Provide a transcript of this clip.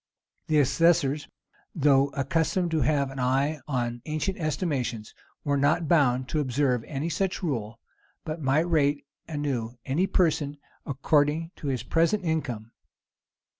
The assessors, though accustomed to have an eye to ancient estimations, were not bound to observe any such rule, but might rate anew any person, according to his present income.